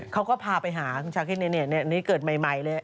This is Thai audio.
เขาก็พาไปหาคุณชาคิดนี้เกิดใหม่เลย